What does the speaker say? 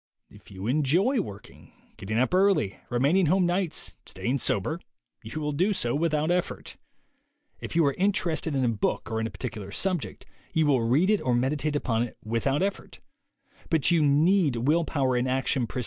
If you enjoy working, getting up early, remaining home nights, staying sober, you will do so without effort. If you are interested in a book or in a particular subject, you will read it or meditate upon it without effort.